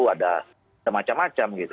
ada semacam macam gitu